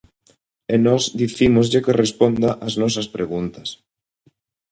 E nós dicímoslle que responda as nosas preguntas.